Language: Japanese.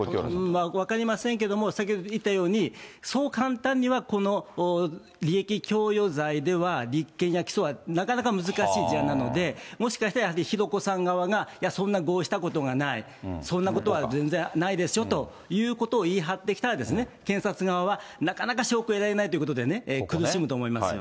分かりませんけれども、先ほど言ったように、そう簡単にはこの利益供与罪では立件や起訴はなかなか難しい事案なので、もしかしたら、やはり浩子さん側が、いや、そんな合意したことはない、そんなことは全然ないですよということを言い張ってきたら、検察側は、なかなか証拠を得られないということで、苦しむと思います